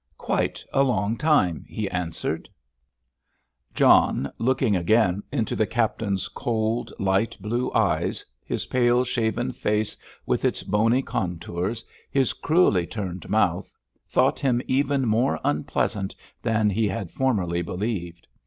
"Quite a long time," he answered. John, looking again into the captain's cold, light blue eyes, his pale shaven face with its bony contours, his cruelly turned mouth, thought him even more unpleasant than he had formerly believed.